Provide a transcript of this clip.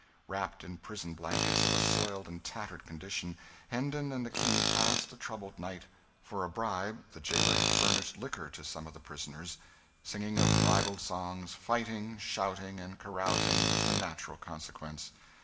Wrapped in prison blankets of a soiled and tattered condition, Hendon and the King passed a troubled night. For a bribe the jailer had furnished liquor to some of the prisoners; singing of ribald songs, fighting, shouting, and carousing was the natural consequence.